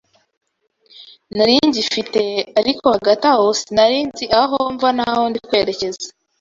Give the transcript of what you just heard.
nari ngifite, ariko hagati aho sinari nzi aho mva n’aho ndi kwerekeza